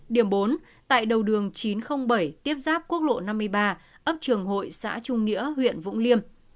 điểm bốn tại đầu đường chín trăm linh bảy tiếp giáp quốc lộ năm mươi ba ấp trường hội xã trung nghĩa huyện vũng liêm